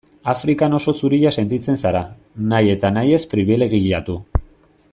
Afrikan oso zuria sentitzen zara, nahi eta nahi ez pribilegiatu.